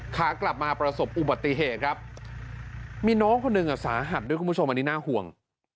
ขากลับมาประสบอุบัติเหตุครับมีน้องคนหนึ่งสาหัสด้วยคุณผู้ชมอันนี้น่าห่วง